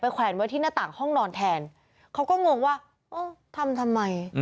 แขวนไว้ที่หน้าต่างห้องนอนแทนเขาก็งงว่าเออทำทำไม